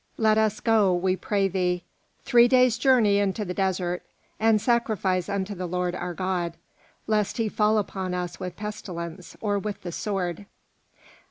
Let us go, we pray thee, three days' journey into the desert, and sacrifice unto the Lord our God; lest he fall upon us with pestilence, or with the sword."